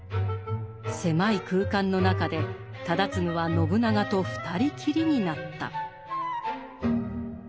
狭い空間の中で忠次は信長と２人きりになった。